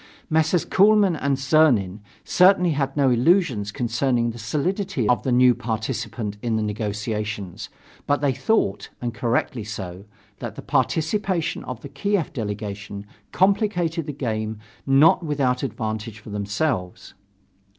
Messrs. Kuehlmann and Czernin certainly had no illusions concerning the solidity of the new participant in the negotiations. But they thought, and correctly so, that the participation of the Kiev delegation complicated the game not without advantage for themselves.